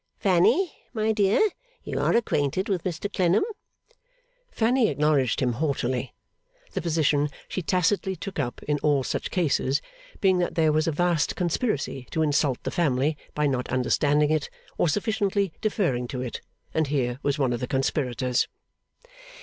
Fanny, my dear, you are acquainted with Mr Clennam.' Fanny acknowledged him haughtily; the position she tacitly took up in all such cases being that there was a vast conspiracy to insult the family by not understanding it, or sufficiently deferring to it, and here was one of the conspirators.